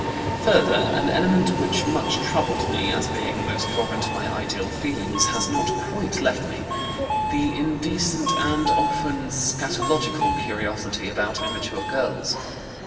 Further, an element which much troubled me, as being most foreign to my ideal feelings, has not quite left me the indecent and often scatologic curiosity about immature girls.